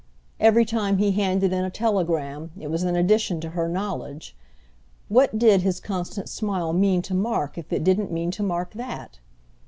Every time he handed in a telegram it was an addition to her knowledge: what did his constant smile mean to mark if it didn't mean to mark that?